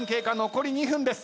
残り２分です。